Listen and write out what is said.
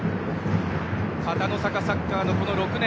片野坂サッカーのこの６年。